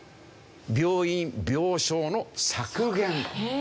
病院・病床の削減。